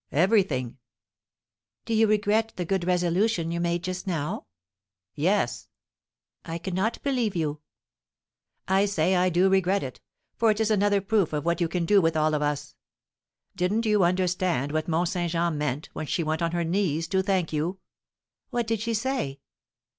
"Everything." "Do you regret the good resolution you made just now?" "Yes." "I cannot believe you." "I say I do regret it, for it is another proof of what you can do with all of us. Didn't you understand what Mont Saint Jean meant when she went on her knees to thank you?" "What did she say?"